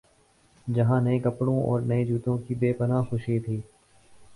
جہاں نئے کپڑوں اورنئے جوتوں کی بے پنا ہ خوشی تھی۔